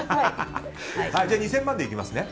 ２０００万でいきますね。